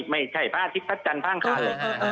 ไม่ใช่พระอาทิตย์พระอาจารย์พระอังคาร